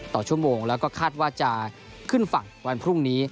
ต่อชั่วโมงแล้วก็คาดว่าจะขึ้นฝั่งวันพรุ่งนี้